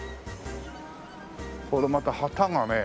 これまた旗がね